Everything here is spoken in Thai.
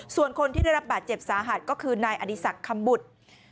ส่วนคนที่ได้รับบาดเจ็บสาหัสก็คือนายอดีศักดิ์คำบุตร